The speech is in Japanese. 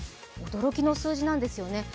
驚きの数字なんですよね。